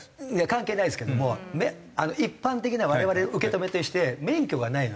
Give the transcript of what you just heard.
関係ないですけども一般的な我々受け止めとして免許がないのに。